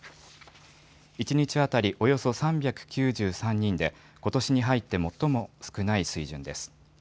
１日当たりおよそ３９３人で、ことしに入って最も少ない水準です。